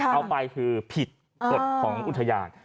เอาไปคือผิดกฎของอุทยาน